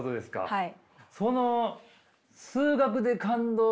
はい。